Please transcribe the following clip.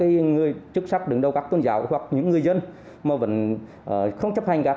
người chức sắc đứng đầu các tôn giáo hoặc những người dân mà vẫn không chấp hành các